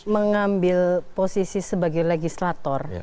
mengambil posisi sebagai legislator